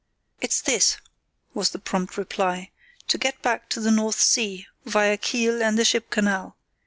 "It's this," was the prompt reply: "to get back to the North Sea, via Kiel and the ship canal.